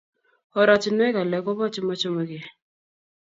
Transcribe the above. Oratunwek alak kopa chemochomeke.